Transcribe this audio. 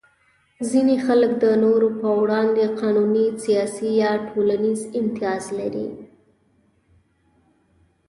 ځینې خلک د نورو په وړاندې قانوني، سیاسي یا ټولنیز امتیاز لري.